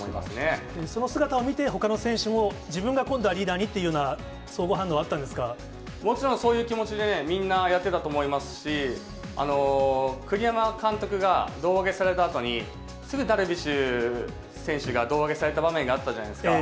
その姿を見て、ほかの選手も自分が今度はリーダーにというような、もちろんそういう気持ちでみんなやってたと思いますし、栗山監督が胴上げされたあとに、すぐダルビッシュ選手が胴上げされた場面があったじゃないですか。